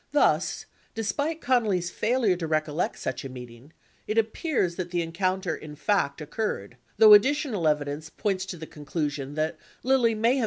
Thus, despite Connally's failure to recollect such a meeting, it appears that the encounter, in fact, oc curred, although additional evidence points to the conclusion that Lilly may have been in error as to its date.